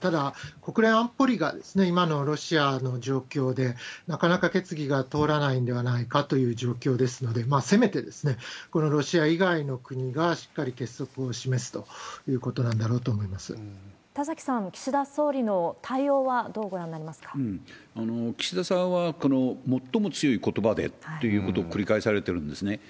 ただ、国連安保理が、今のロシアの状況でなかなか決議が通らないのではないかという状況ですので、せめてこのロシア以外の国がしっかり結束を示すということなんだ田崎さん、岸田総理の対応は岸田さんは、最も強いことばでということを繰り返されてるんですね。